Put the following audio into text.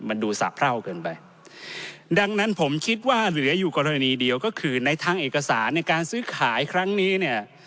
มันดูสะเพราเกินไปดังนั้นผมคิดว่าเหลืออยู่กรณีเดียวก็คือในทางเอกสารในการซื้อขายครั้งนี้เนี่ย